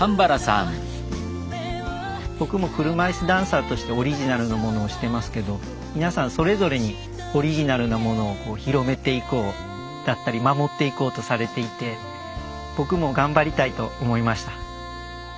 僕も車椅子ダンサーとしてオリジナルのものをしてますけど皆さんそれぞれにオリジナルなものを広めていこうだったり守っていこうとされていて僕も頑張りたいと思いました。